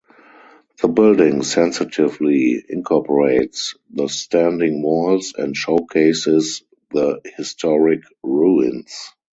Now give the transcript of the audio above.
The building sensitively incorporates the standing walls and showcases the historic ruins.